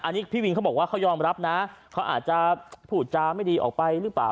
อันนี้พี่วินเขาบอกว่าเขายอมรับนะเขาอาจจะพูดจาไม่ดีออกไปหรือเปล่า